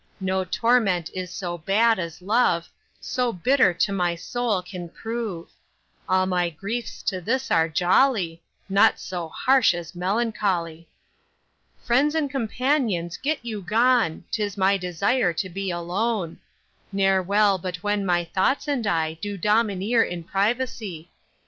No torment is so bad as love, So bitter to my soul can prove. All my griefs to this are jolly, Naught so harsh as melancholy. Friends and companions get you gone, 'Tis my desire to be alone; Ne'er well but when my thoughts and I Do domineer in privacy.